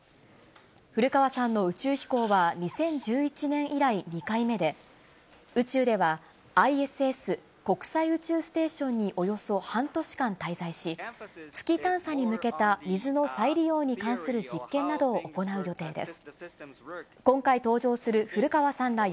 古川さんの宇宙飛行は、２０１１年以来２回目で、宇宙ではＩＳＳ・国際宇宙ステーションにおよそ半年間滞在し、月探査に向けた水の再利用に関する実験などを行う予定です。